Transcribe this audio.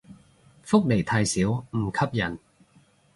福利太少唔吸引